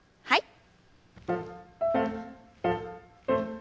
はい。